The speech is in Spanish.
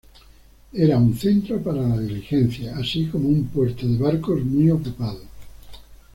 Era un centro para la diligencia, así como un puerto de barcos muy ocupado.